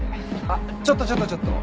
あっちょっとちょっとちょっと。